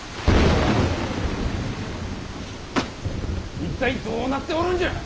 一体どうなっておるんじゃ！